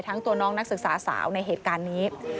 ตัวน้องนักศึกษาสาวในเหตุการณ์นี้